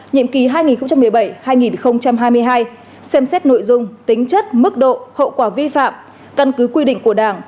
nhiệm kỳ hai nghìn một mươi bảy hai nghìn hai mươi hai xem xét nội dung tính chất mức độ hậu quả vi phạm căn cứ quy định của đảng